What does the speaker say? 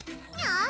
あ。